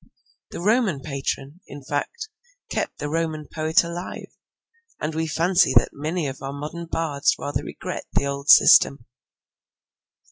The Roman patron, in fact, kept the Roman poet alive, and we fancy that many of our modern bards rather regret the old system.